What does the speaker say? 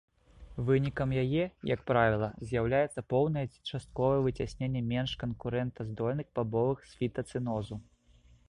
Вынікам яе, як правіла, з'яўляецца поўнае ці частковае выцясненне менш канкурэнтаздольных бабовых з фітацэнозу.